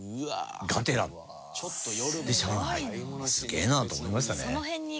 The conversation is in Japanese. すげえなと思いましたね。